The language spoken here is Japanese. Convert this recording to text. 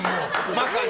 まさに。